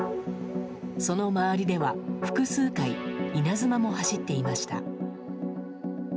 その周りでは複数回稲妻も走っていました。